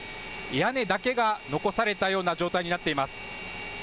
屋根だけが残されたような状態になっています。